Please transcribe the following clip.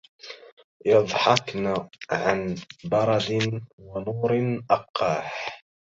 يضحكن عن برد ونور أقاح